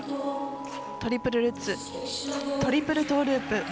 トリプルルッツトリプルトーループ。